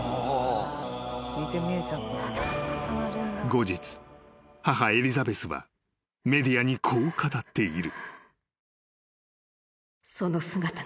［後日母エリザベスはメディアにこう語っている］